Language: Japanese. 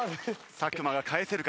作間が返せるか？